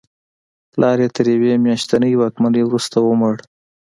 پلار یې تر یوې میاشتنۍ واکمنۍ وروسته ومړ.